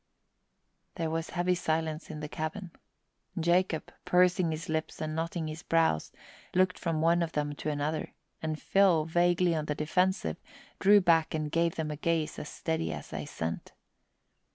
There was heavy silence in the cabin. Jacob, pursing his lips and knotting his brows, looked from one of them to another, and Phil, vaguely on the defensive, drew back and gave them a gaze as steady as they sent.